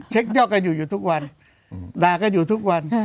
เช็คเยาะกันอยู่ทุกวันดากันอยู่ทุกวัน